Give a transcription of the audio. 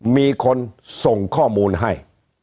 มีคนส่งข้อมูลให้